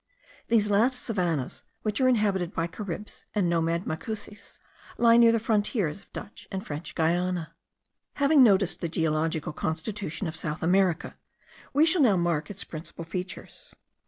These last savannahs, which are inhabited by Caribs, and nomad Macusis, lie near the frontiers of Dutch and French Guiana. Having noticed the geological constitution of South America, we shall now mark its principal features.